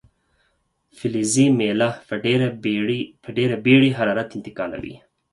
فلزي میله په ډیره بیړې حرارت انتقالوي.